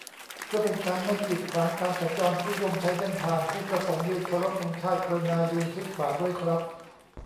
เพื่อเป็นการไม่กีดขวางการสัญจรผู้ร่วมใช้เส้นทาง ผู้ประสงค์ยืนเคารพธงชาติ กรุณายืนชิดขวาด้วยครับ